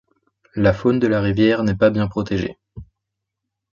La faune de la rivière n'est pas bien protégée.